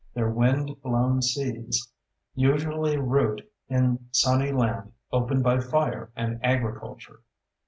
Their windblown seeds usually root in sunny land opened by fire and agriculture.